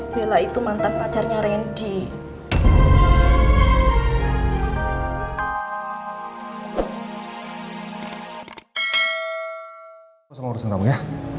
bella itu mantan pacarnya randy